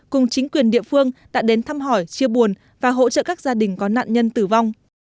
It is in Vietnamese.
cùng chính quyền địa phương đã đến thăm hỏi chia buồn và hỗ trợ các gia đình có nạn nhân tử vong